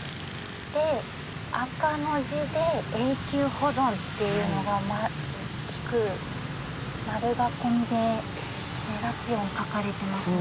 で赤の字で「永久保存」っていうのが大きく丸囲みで目立つように書かれてますね。